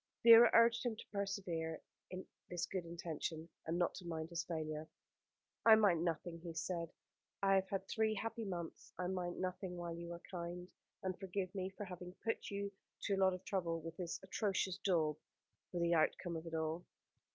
Vera urged him to persevere in this good intention, and not to mind his failure. "I mind nothing," he said. "I have had three happy months. I mind nothing while you are kind, and forgive me for having put you to a lot of trouble, with this atrocious daub for the outcome of it all."